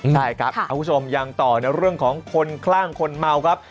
ใช่ครับคุณผู้ชมยังต่อในเรื่องของคนคลั่งคนเมาครับ